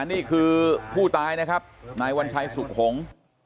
นี่คือผู้ตายนะครับนายวัญชัยสุขหงษ์